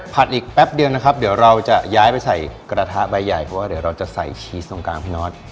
อีกแป๊บเดียวนะครับเดี๋ยวเราจะย้ายไปใส่กระทะใบใหญ่เพราะว่าเดี๋ยวเราจะใส่ชีสตรงกลางพี่นอท